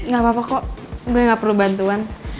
gak apa apa kok gue gak perlu bantuan